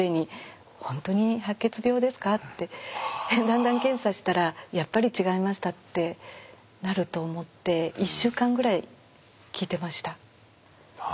だんだん検査したらやっぱり違いましたってなると思って１週間ぐらい聞いてました。